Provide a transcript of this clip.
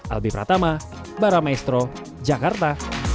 albi pratama baramaestro jakarta